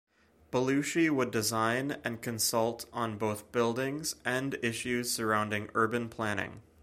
Belluschi would design and consult on both buildings and issues surrounding urban planning.